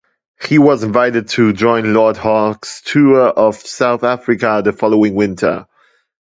He was invited to join Lord Hawke's tour of South Africa the following winter.